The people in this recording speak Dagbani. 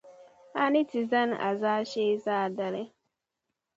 a ni ti zani a zaashee zaadali.